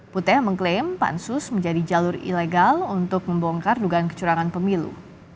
putih mengklaim pansus menjadi jalur ilegal untuk membongkar dugaan kecurangan pemilu